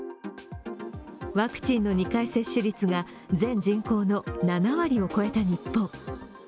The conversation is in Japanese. ワクチンの２回接種率が全人口の７割を超えた日本。